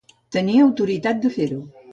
Tenia autoritat de fer-ho